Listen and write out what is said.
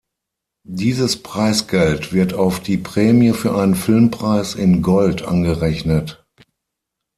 Dieses Preisgeld wird auf die Prämie für einen Filmpreis in Gold angerechnet.